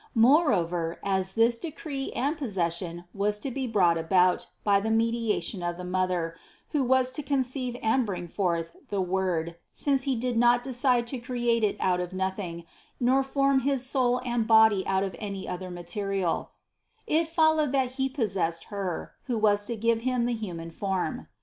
Moreover, as this decree and possession was to be brought about by the mediation of the Mother, who was to conceive and bring forth the Word (since He did not decide to create it out of nothing, nor form his soul and body out of any other material), it followed that He possessed Her, who was to give Him the human form.